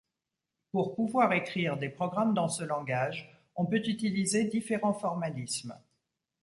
Pour pouvoir écrire des programmes dans ce langage on peut utiliser différents formalismes.